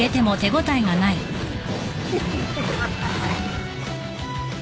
フフフ。